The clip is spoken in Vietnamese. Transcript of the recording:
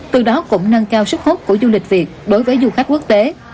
từ đó cũng nâng cao sức hút của du lịch việt đối với du khách quốc tế